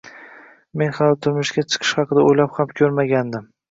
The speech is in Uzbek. Men hali turmushga chiqish haqida o`ylab ham ko`rmagandim